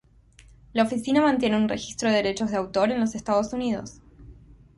La oficina mantiene un registro de derechos de autor en los Estados Unidos.